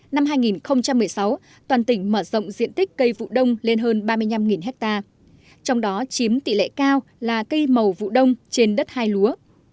năm hai nghìn một mươi sáu toàn tỉnh mở rộng diện tích cây vụ đông lên hơn ba mươi năm ha trong đó chiếm tỷ lệ cao là cây màu vụ đông trên đất hai lúa